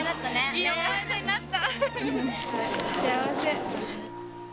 いい思い出になった。